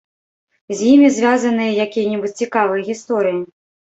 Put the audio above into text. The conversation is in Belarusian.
З імі звязаныя якія-небудзь цікавыя гісторыі?